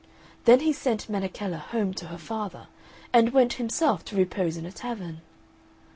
Then he sent Menechella home to her father, and went himself to repose in a tavern.